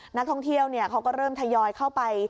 นักท่องเที่ยวเขาก็เริ่มทยอยเข้าไป